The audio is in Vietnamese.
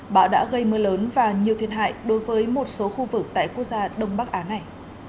bão đã gây mưa lớn và nhiều thiệt hại đối với một số khu vực tại quốc gia đông bắc á này